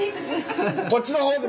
こっちの方で。